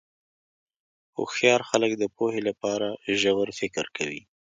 هوښیار خلک د پوهې لپاره ژور فکر کوي.